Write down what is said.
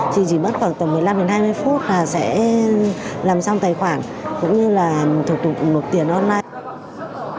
chỉ mất khoảng một mươi năm hai mươi phút là sẽ làm xong tài khoản cũng như là thủ tục nộp tiền online